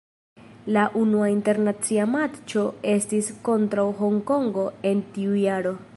La unua internacia matĉo estis kontraŭ Honkongo en tiu jaro.